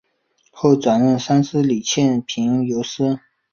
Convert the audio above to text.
后转任三司理欠凭由司。